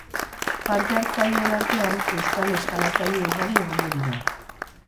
Parte hartzaileen artean euskal eskalatzaile ugari egongo dira.